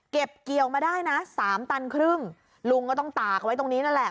เกี่ยวมาได้นะสามตันครึ่งลุงก็ต้องตากไว้ตรงนี้นั่นแหละ